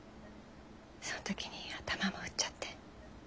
そん時に頭も打っちゃって。